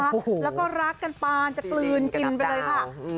แล้วก็รักกันปานจะกลืนกินไปเลยค่ะ